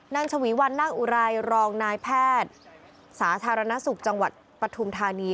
ฉวีวันนาคอุไรรองนายแพทย์สาธารณสุขจังหวัดปฐุมธานี